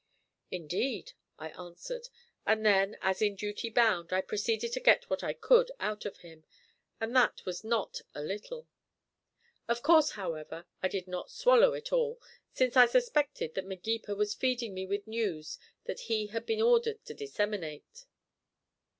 "Indeed," I answered; and then, as in duty bound, I proceeded to get what I could out of him, and that was not a little. Of course, however, I did not swallow it all, since I suspected that Magepa was feeding me with news that he had been ordered to disseminate.